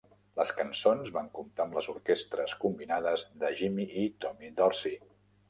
Les cançons van comptar amb les orquestres combinades de Jimmy i Tommy Dorsey.